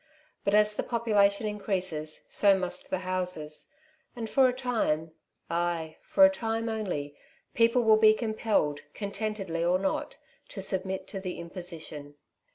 But, as the population increases, so must the houses ; and for a time — ay, for a time only, people will be compelled, contentedly or not, to submit to the imposition.